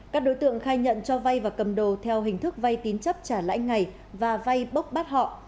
các đối tượng khai nhận cho vay và cầm đồ theo hình thức vay tín chấp trả lãi ngày và vay bốc bắt họ